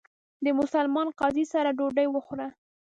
د مسلمان قاضي سره ډوډۍ وخوړه.